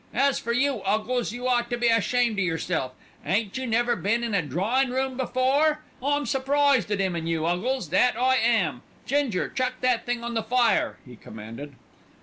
As for you, 'Uggles, you ought to be ashamed o' yourself. Ain't you never been in a drawin' room before? I'm surprised at 'im an' you, 'Uggles, that I am. Ginger, chuck that thing on the fire," he commanded.